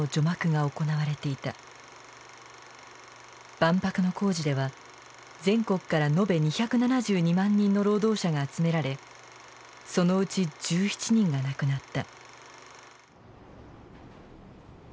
万博の工事では全国から延べ２７２万人の労働者が集められそのうち１７人が亡くなった。